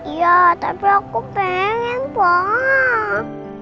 iya tapi aku pengen banget